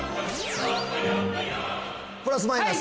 プラス・マイナス。